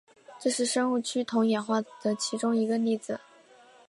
这是生物趋同演化的其中一个例子。